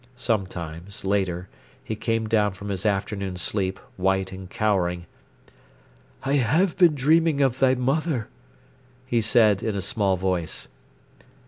Sometimes, later, he came down from his afternoon sleep, white and cowering. "I have been dreaming of thy mother," he said in a small voice.